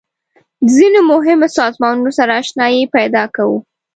د ځینو مهمو سازمانونو سره آشنایي پیدا کوو.